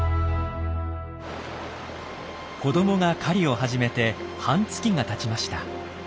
子どもが狩りを始めて半月がたちました。